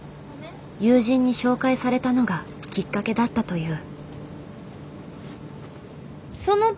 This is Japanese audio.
友人に紹介されたのがきっかけだったという。